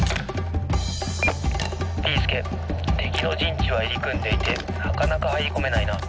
「ビーすけてきのじんちはいりくんでいてなかなかはいりこめないな。